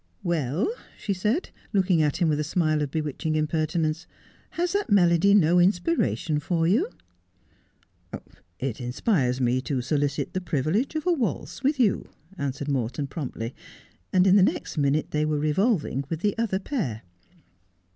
' Well,' she said, looking at him with a smile of bewitching impertinence, 'has that melody no inspiration for you V ' It inspires me to solicit the privilege of a waltz with you,' answered Morton promptly, and in the next minute they were revolving with the other pair.